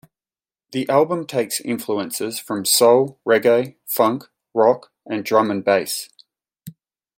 The album takes influences from soul, reggae, funk, rock, and drum 'n' bass.